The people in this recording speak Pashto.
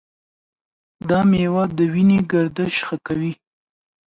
دا میوه د وینې گردش ښه کوي.